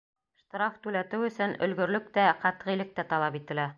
Штраф түләтеү өсөн өлгөрлөк тә, ҡәтғилек тә талап ителә.